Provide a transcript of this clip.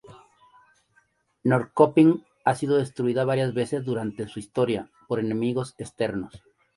Norrköping ha sido destruida varias veces durante su historia, por enemigos externos.